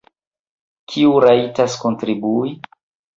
Kiu rajtas kontribui?